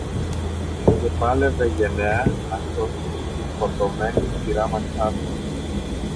που πάλευε γενναία να σώσει τη φορτωμένη χειράμαξα του